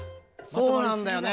そうなんだよね。